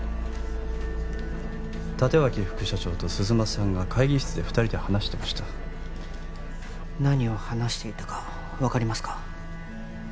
立脇副社長と鈴間さんが会議室で二人で話してました何を話していたか分かりますか？